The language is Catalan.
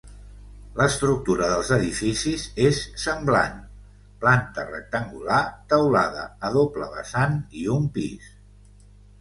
L'estructura dels edificis és semblant: planta rectangular, teulada a doble vessant i un pis.